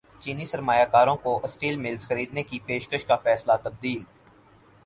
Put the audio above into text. چینی سرمایہ کاروں کو اسٹیل ملز خریدنے کی پیشکش کا فیصلہ تبدیل